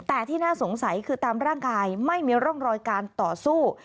แต่ที่น่าสงสัยคือตามร่างกายไม่มีร่องรอยการต่อสู้